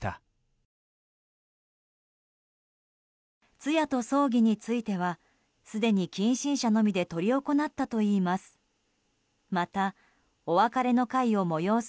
通夜と葬儀についてはすでに近親者のみで執り行ったといいます。